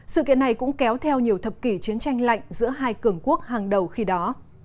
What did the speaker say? sự kiện này cũng kéo theo nhiều thập kỷ chiến tranh lạnh giữa hai cường quốc hàng đầu khi đó